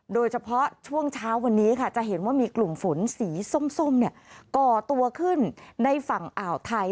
โดยเฉพาะช่วงเช้าวันนี้ค่ะจะเห็นว่ามีกลุ่มฝนสีส้มก่อตัวขึ้นในฝั่งอ่าวไทย